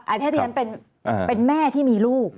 อาทิตย์นั้นเป็นแม่ที่มีลูก